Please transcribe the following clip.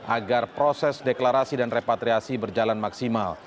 agar proses deklarasi dan repatriasi berjalan maksimal